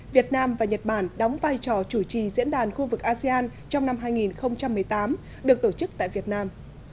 việt nam và nhật bản đóng vai trò chủ trì diễn đàn khu vực asean trong năm hai nghìn một mươi tám được tổ chức tại việt nam